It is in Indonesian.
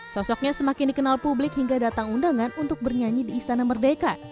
sosoknya semakin dikenal publik hingga datang undangan untuk bernyanyi di istana merdeka